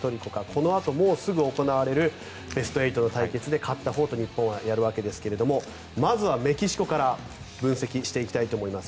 このあともうすぐ行われるベスト８の対決で勝ったほうと日本はやるわけですがまずはメキシコから分析していきたいと思います。